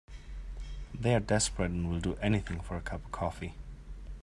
They're desperate and will do anything for a cup of coffee.